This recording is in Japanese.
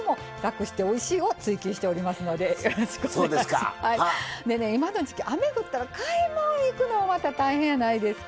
でね今の時期雨降ったら買い物行くのもまた大変やないですか。